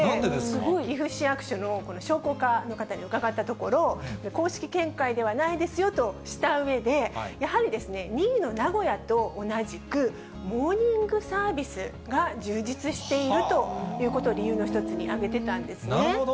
岐阜市役所のこの商工課の方に伺ったところ、公式見解ではないですよとしたうえで、やはりですね、２位の名古屋と同じく、モーニングサービスが充実しているということを、理由の一つに挙なるほど。